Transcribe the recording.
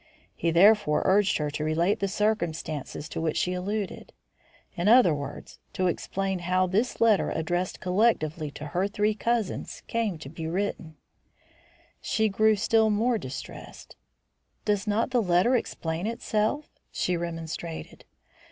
He therefore urged her to relate the circumstances to which she alluded; in other words, to explain how this letter addressed collectively to her three cousins came to be written. She grew still more distressed. "Does not the letter explain itself?" she remonstrated.